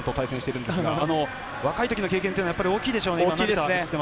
若いときの経験というのは大きいでしょうね。